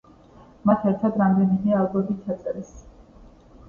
მათ ერთად რამდენიმე ალბომი ჩაწერეს.